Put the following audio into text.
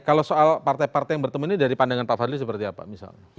kalau soal partai partai yang bertemu ini dari pandangan pak fadli seperti apa misalnya